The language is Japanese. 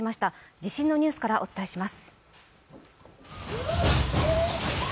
地震のニュースからお伝えします。